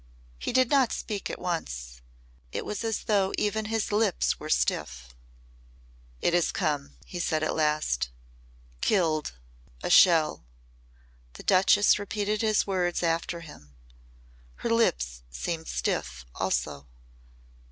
He did not speak at once. It was as though even his lips were stiff. "It has come," he said at last. "Killed. A shell." The Duchess repeated his words after him. Her lips seemed stiff also.